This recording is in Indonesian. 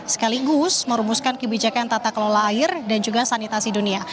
sekaligus merumuskan kebijakan tata kelola air dan juga sanitasi dunia